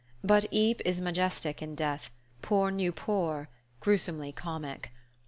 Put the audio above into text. But Ypres is majestic in death, poor Nieuport gruesomely comic.